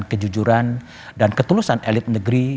kejujuran dan ketulusan elit negeri